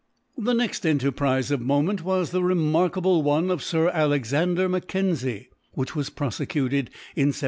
The next enterprise of moment was the remarkable one of Sir Alexander Mackenzie, which was prosecuted in 1789.